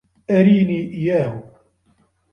اريني اياه.